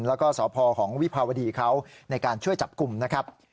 แล้วก็สพของวิภาวดีเขาในการช่วยจับกลุ่มนะครับ